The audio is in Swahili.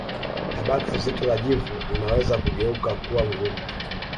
Tabaka zito la jivu linaweza kugeuka kuwa ngumu